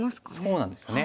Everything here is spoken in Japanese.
そうなんですよね。